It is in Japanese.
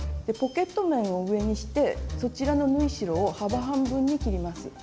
ポケット面を上にしてそちらの縫い代を幅半分に切ります。